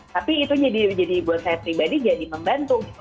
tapi itu jadi buat saya pribadi jadi membantu gitu